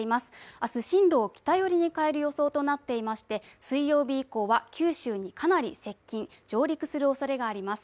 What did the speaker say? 明日進路を北寄りに変える予想となっていまして、水曜日以降は九州にかなり接近・上陸するおそれがあります。